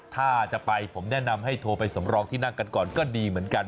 ถ้าจะไปผมแนะนำให้โทรไปสำรองที่นั่งกันก่อนก็ดีเหมือนกัน